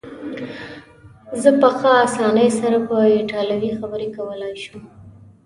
زه په ښه اسانۍ سره په ایټالوي خبرې کولای شم.